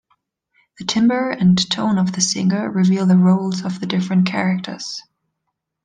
The timbre and tone of the singer reveal the roles of the different characters.